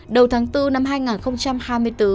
đầu tháng bốn năm hai nghìn hai mươi